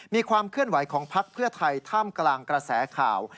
มีความเคลื่อนไหวของพักเพื่อไทยท่ามกลางกระแสข่าว